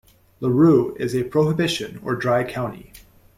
LaRue is a prohibition or dry county.